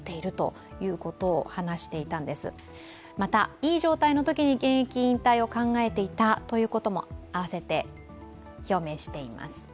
いい状態のときに現役引退を考えていたということも併せて表明しています。